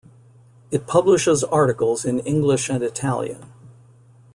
It publishes articles in English and Italian.